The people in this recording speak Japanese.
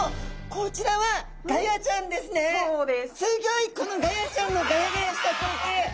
このガヤちゃんのガヤガヤした光景。